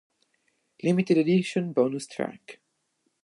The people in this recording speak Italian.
Limited Edition bonus track